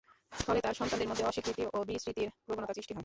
ফলে তার সন্তানদের মধ্যে অস্বীকৃতি ও বিস্মৃতির প্রবণতা সৃষ্টি হয়।